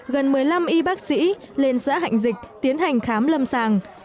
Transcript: gần một mươi năm y bác sĩ lên xã hạnh dịch tiến hành khám lâm sàng